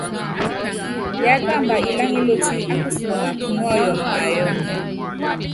Yákamba iláŋa ílotí á kusuŋuna kunúɔ́yɔnɔ mayɔ́.